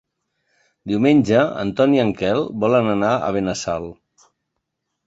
Diumenge en Ton i en Quel volen anar a Benassal.